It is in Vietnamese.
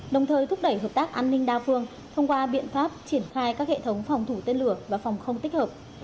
đồng thời thúc đẩy hợp tác an ninh đa phương thông qua biện pháp triển khai các hệ thống phòng thủ tên lửa và phòng không tích hợp